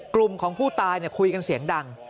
กลุ่มของผู้ตายคุยกันเสียงดัง